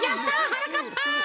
はなかっぱ！